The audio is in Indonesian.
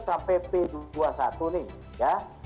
sampai p dua puluh satu nih ya